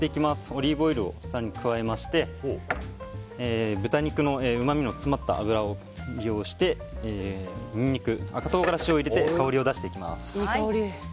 オリーブオイルを更に加えまして豚肉のうまみの詰まった脂を利用してニンニク、赤唐辛子を入れて香りを出していきます。